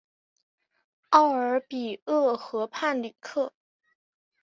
奥尔比厄河畔吕克。